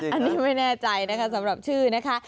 อันนี้ไม่แน่ใจนะคะสำหรับชื่อนะคะ